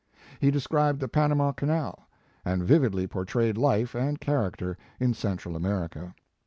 He de scribed the Panama Canal, and vividly portrayed life and character in Central America.